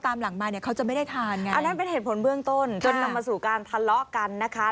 อันนั้นเป็นเหตุผลเบื้องต้นจนจะมาสู่การทะเลาะกันนะคะ